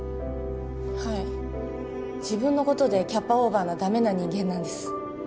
はい自分のことでキャパオーバーなダメな人間なんです